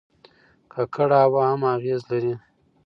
ککړه هوا هم اغېز لري.